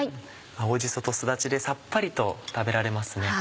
青じそとすだちでさっぱりと食べられますね。